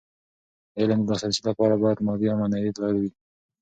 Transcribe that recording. د علم د لاسرسي لپاره باید مادي او معنوي دلايل وي.